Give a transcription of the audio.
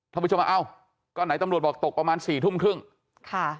ผู้ชมอ่ะเอ้าก็ไหนตำรวจบอกตกประมาณสี่ทุ่มครึ่งค่ะ